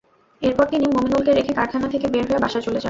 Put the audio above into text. এরপর তিনি মোমিনুলকে রেখে কারখানা থেকে বের হয়ে বাসায় চলে যান।